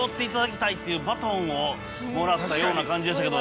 っていうバトンをもらったような感じでしたけど。